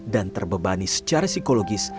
dan terbebani secara psikologis